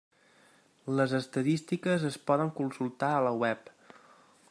Les estadístiques es poden consultar a la web.